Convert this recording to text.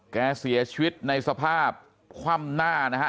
เสียชีวิตในสภาพคว่ำหน้านะฮะ